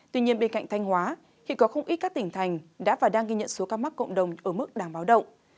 tuy nhiên bên cạnh thanh hóa hiện có không ít các tỉnh thành đã và đang ghi nhận số ca mắc cộng đồng ở mức đáng báo động